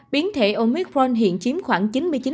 biến thể omicron hiện chiếm khoảng chín mươi chín